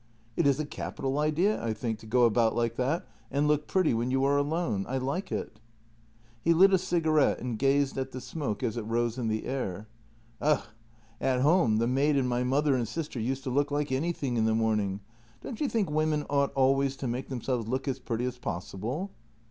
" It is a capital idea, I think, to go about like that and look pretty when you are alone. I like it." He lit a cigarette and gazed at the smoke as it rose in the air. " Ugh! At home the maid and my mother and sister used to look like anything in the morning. Don't you think women ought always to make themselves look as pretty as possible?"